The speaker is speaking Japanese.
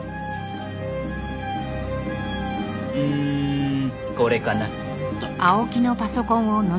うーんこれかなっと。